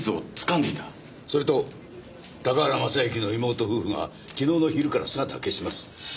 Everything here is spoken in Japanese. それと高原雅之の妹夫婦が昨日の昼から姿を消しています。